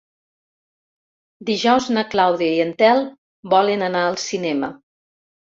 Dijous na Clàudia i en Telm volen anar al cinema.